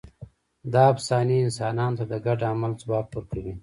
دا افسانې انسانانو ته د ګډ عمل ځواک ورکوي.